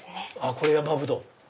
これヤマブドウ。